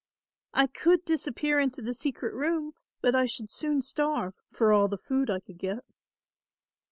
"I could disappear into the secret room, but I should soon starve for all the food I could get.